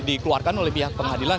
dikeluarkan oleh pihak pengadilan